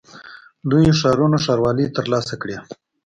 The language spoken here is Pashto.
لویو ښارونو ښاروالۍ ترلاسه کړې.